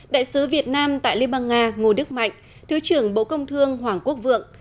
đại sứ việt nam tại liên bang nga ngô đức mạnh thứ trưởng bộ công thương hoàng quốc vượng